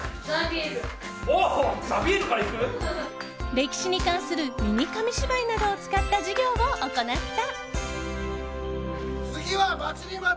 歴史に関するミニ紙芝居などを使った授業を行った。